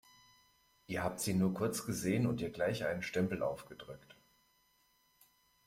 Ihr habt sie nur kurz gesehen und ihr gleich einen Stempel aufgedrückt.